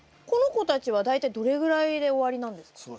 この子たちは大体どれぐらいで終わりなんですか？